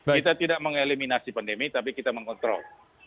kita tidak mengeliminasi pandemi tapi kita mengontrol